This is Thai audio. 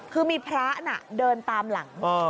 คือมีพระน่ะเดินตามหลัง